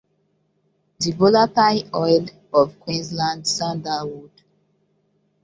The volatile oil of Queensland sandalwood.